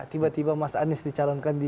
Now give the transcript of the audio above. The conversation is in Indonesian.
tiba tiba mas anies dicalonkan di